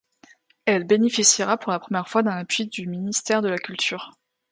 Elle bénéficiera pour la première fois d'un appui du Ministère de la Culture.